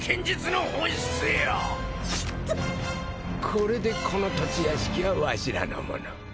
これでこの土地屋敷はわしらのもの。